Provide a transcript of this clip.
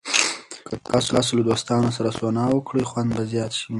که تاسو له دوستانو سره سونا وکړئ، خوند به زیات شي.